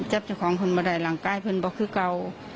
ชอบชอบของคุณป่ะไหร่หลังใกล้พึนบอกคือเก่า